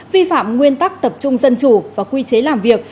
vi phạm nguyên tắc tập trung dân chủ và quy chế làm việc